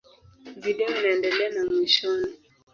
Video inaendelea na mwishoni.